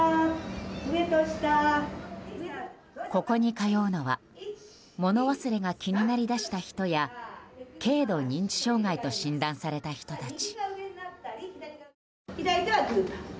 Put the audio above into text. ここに通うのは物忘れが気になりだした人や軽度認知障害と診断された人たち。